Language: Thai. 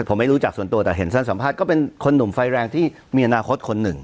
ผมไม่รู้จักส่วนตัวแต่เห็นสั้นสัมภาษณ์ก็เป็นคนหนุ่มไฟแรงที่มีอนาคตคนหนึ่ง